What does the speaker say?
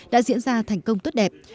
đã diễn ra thành công tốt đẹp